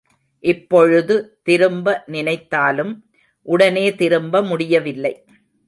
இப்பொழுது திரும்ப நினைத்தாலும் உடனே திரும்ப முடியவில்லை.